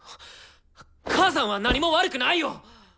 母さんは何も悪くないよ！